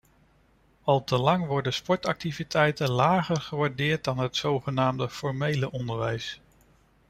Al te lang worden sportactiviteiten lager gewaardeerd dan het zogenaamde formele onderwijs.